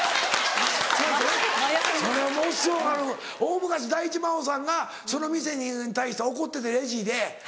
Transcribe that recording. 大昔大地真央さんがその店に対して怒っててレジで。